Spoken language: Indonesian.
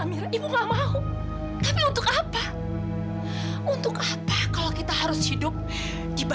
ini anak kita amira